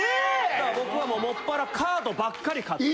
だから僕はもっぱらカードばっかり買って。